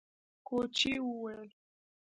کوچي وويل: